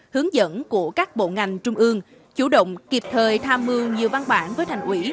hướng dẫn của các bộ ngành trung ương chủ động kịp thời tham mưu nhiều văn bản với thành ủy